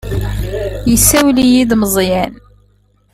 Yessawel-iyi-d Meẓyan.